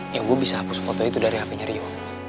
yang gue bisa hapus foto itu dari hpnya rio